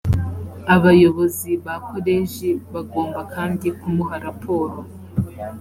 abayobozi ba koleji bagomba kandi kumuha raporo.